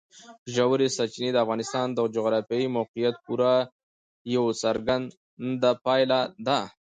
ژورې سرچینې د افغانستان د جغرافیایي موقیعت پوره یوه څرګنده پایله ده.